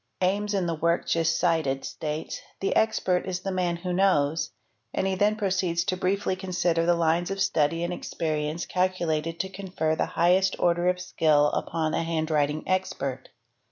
Ames in the 232 THE EXPERT work just cited states ' the expert is the man who knows,' and he then proceeds to briefly consider the lines of study and experience calculated — to confer the highest order of skill upon a handwriting expert.